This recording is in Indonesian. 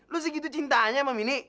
lo segitu cintanya sama mini